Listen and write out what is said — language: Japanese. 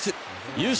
優勝